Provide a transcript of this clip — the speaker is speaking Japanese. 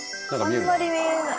あんまり見えない。